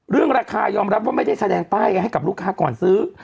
เรื่องราคายอมรับว่าไม่ได้แสดงป้ายให้กับลูกค้าก่อนซื้อ